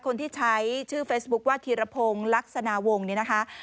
คนที่ใช้ชื่อเฟซบุ๊คว่าธีรพงศ์ลักษณะวงศ์เนี่ยนะคะ